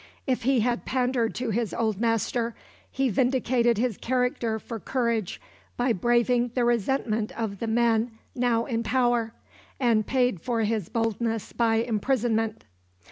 If he had pandered to his old master, he vindicated his character for courage by braving the resentment of the men now in power, and paid for his boldness by imprisonment.